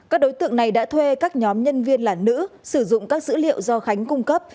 các đối tượng này đã thuê các nhóm nhân viên là nữ sử dụng các dữ liệu do khánh cung cấp